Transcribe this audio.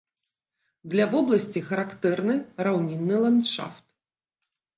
Для вобласці характэрны раўнінны ландшафт.